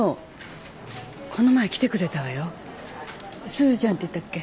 すずちゃんっていったっけ？